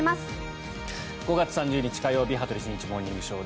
５月３０日、火曜日「羽鳥慎一モーニングショー」。